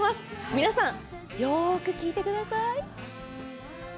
皆さん、よく聴いてください。